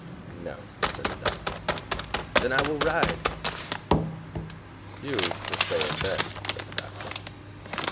"No," said the doctor. "Then I will ride." "You will stay in bed," said the doctor.